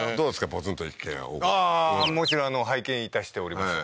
ポツンああーもちろん拝見いたしております